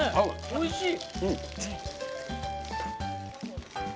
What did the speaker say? おいしい。